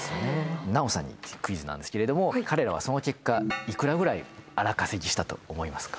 奈緒さんにクイズなんですけども彼らはその結果幾らぐらい荒稼ぎしたと思いますか？